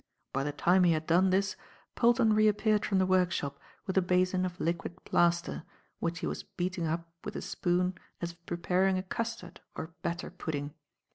By the time he had done this, Polton reappeared from the workshop with a basin of liquid plaster, which he was beating up with a spoon as if preparing a custard or batter pudding.